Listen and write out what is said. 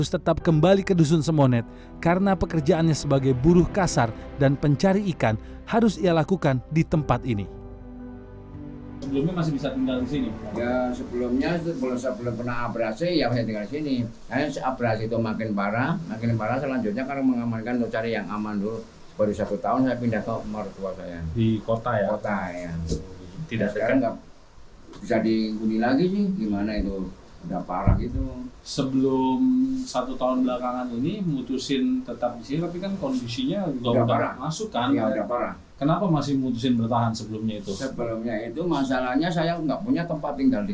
tetap kesini dan ini masih bisa tumbuh karena dataran tinggi